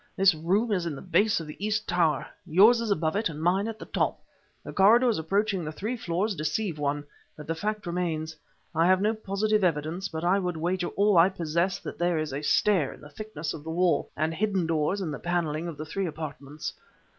This room is in the base of the east tower, yours is above it and mine at the top. The corridors approaching the three floors deceive one, but the fact remains. I have no positive evidence, but I would wager all I possess that there is a stair in the thickness of the wall, and hidden doors in the paneling of the three apartments.